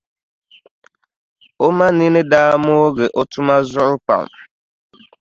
O ma nini daa moogi o tuma zuɣu pam.